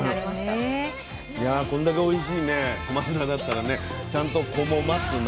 いやこんだけおいしいね小松菜だったらねちゃんと「子も待つな」。